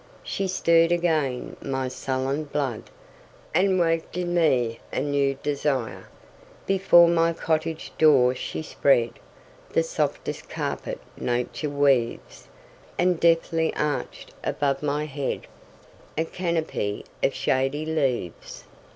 She stirred again my sullen blood, And waked in me a new desire. Before my cottage door she spreadThe softest carpet nature weaves, And deftly arched above my headA canopy of shady leaves.